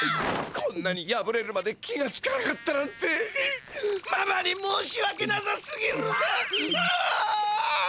こんなにやぶれるまで気がつかなかったなんてママに申しわけなさすぎるぜ！